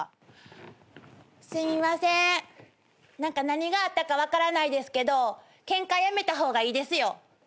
何があったか分からないですけどケンカやめた方がいいですよ。